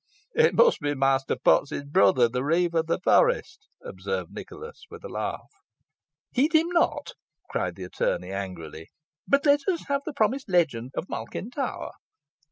"It must be Master Potts's brother, the reeve of the forest," observed Nicholas, with a laugh. "Heed him not," cried the attorney, angrily, "but let us have the promised legend of Malkin Tower."